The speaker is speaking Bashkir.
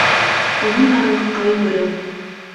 Оҙон аралыҡҡа йүгереү